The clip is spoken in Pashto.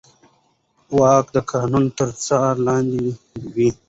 واک د قانون تر څار لاندې وي.